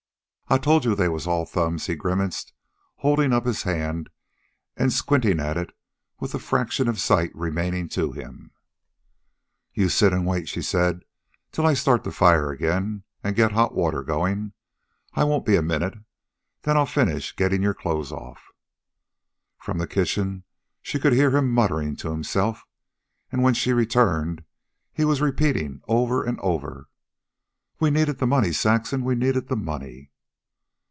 "I told you they was all thumbs," he grimaced, holding up his hand and squinting at it with the fraction of sight remaining to him. "You sit and wait," she said, "till I start the fire and get the hot water going. I won't be a minute. Then I'll finish getting your clothes off." From the kitchen she could hear him mumbling to himself, and when she returned he was repeating over and over: "We needed the money, Saxon. We needed the money."